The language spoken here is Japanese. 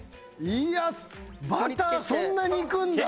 いやバターそんなにいくんだ。